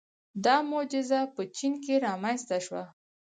• دا معجزه په چین کې رامنځته شوه.